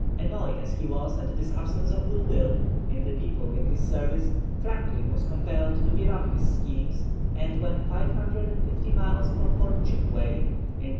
Annoyed as he was at this absence of good will in the people in his service, Franklin was compelled to give up his schemes, and when 550 miles from Fort Chippeway, in N.